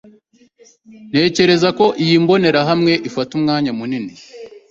Ntekereza ko iyi mbonerahamwe ifata umwanya munini.